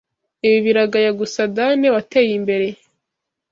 Ibi biragaya gusa Dane wateye imbere,